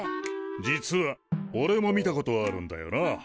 実はおれも見たことあるんだよな。